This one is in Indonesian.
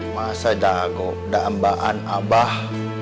masa dagok daembaan abah